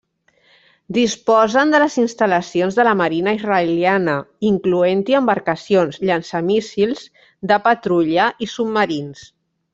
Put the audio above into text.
Disposen de les instal·lacions de la Marina israeliana, incloent-hi embarcacions llançamíssils, de patrulla, i submarins.